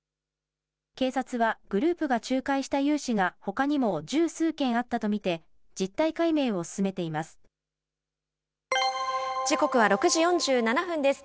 警察は、グループが仲介した融資がほかにも十数件あったと見て、実態解明時刻は６時４７分です。